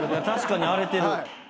確かに荒れてる。